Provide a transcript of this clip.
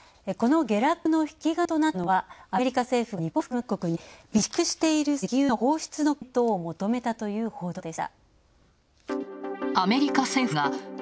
この下落の引き金となったのはアメリカ政府が日本を含む各国に備蓄している石油の放出の検討を求めたという報道でした。